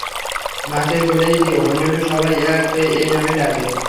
মাইকে বলেই ডেকো, হলিউডের সবাই এই নামেই ডাকে।